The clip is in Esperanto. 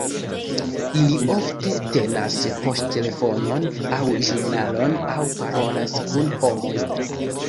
Ili ofte tenas poŝtelefonon, aŭ ĵurnalon, aŭ parolas kun homoj.